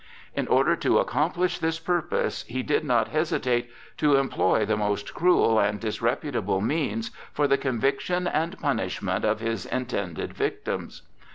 In order to accomplish this purpose he did not hesitate to employ the most cruel and disreputable means for the conviction and punishment of his intended victims.